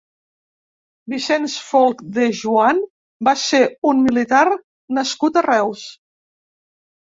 Vicenç Folch de Juan va ser un militar nascut a Reus.